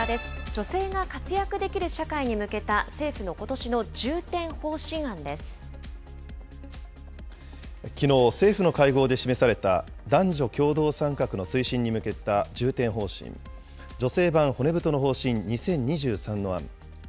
女性が活躍できる社会に向けた政府のこときのう、政府の会合で示された男女共同参画の推進に向けた重点方針、女性版骨太の方針２０２３の案。